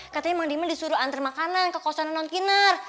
katanya mang diman disuruh nganter makanan ke kosannya non kinar